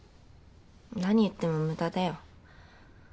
何言っても無駄だよ。